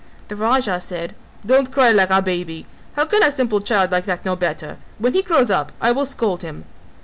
The Raja said, "Don't cry like a baby; how can a simple child like that know better? when he grows up I will scold him."